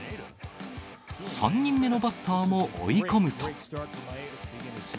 ３人目のバッターも追い込むと。